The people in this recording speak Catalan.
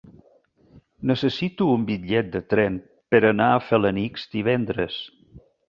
Necessito un bitllet de tren per anar a Felanitx divendres.